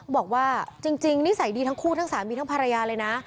บอกว่าจริงนิสัยดีทั้งคู่ทั้งสามีทั้งภรรยาเลยนะ